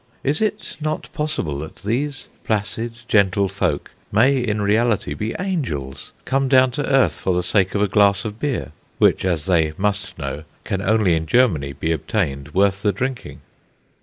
Is it not possible that these placid, gentle folk may in reality be angels, come down to earth for the sake of a glass of beer, which, as they must know, can only in Germany be obtained worth the drinking?